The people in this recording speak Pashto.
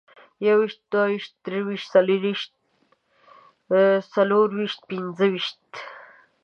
يوويشتو، دوه ويشتو، درويشتو، څلرويشتو، څلورويشتو، پنځه ويشتو